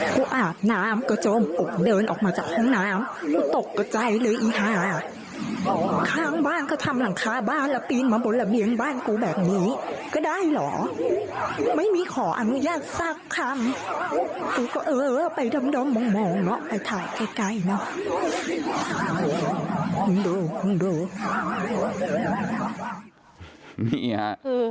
กูอาบน้ำก็จมอกเดินออกมาจากห้องน้ำกูตกกระใจเลยอีฮาข้างบ้านก็ทำหลังคาบ้านแล้วปีนมาบนระเบียงบ้านกูแบบนี้ก็ได้เหรอไม่มีขออนุญาตสักคำกูก็เออไปด้อมมองเนาะไปถ่ายใกล้ใกล้เนอะ